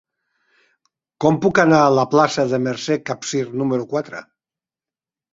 Com puc anar a la plaça de Mercè Capsir número quatre?